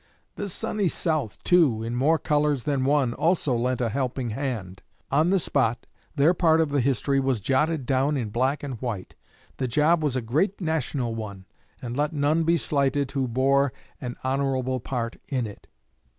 The sunny South, too, in more colors than one, also lent a helping hand. On the spot, their part of the history was jotted down in black and white. The job was a great national one, and let none be slighted who bore an honorable part in it.